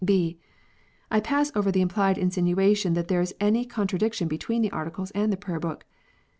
(b) I pass over the implied insinuation that there is any con tradiction between the Articles and the Prayer book.